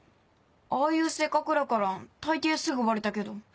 ああいう性格だから大抵すぐバレたけど。